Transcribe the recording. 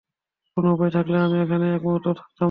কোনো উপায় থাকলে, আমি এখানে একমূহুর্তও থাকতাম না।